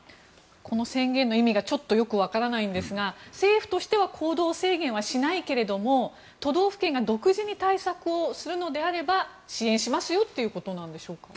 この宣言の意味がちょっとよくわからないんですが政府としては行動制限はしないけれども都道府県が独自に対策をするのであれば支援しますよということなんでしょうか。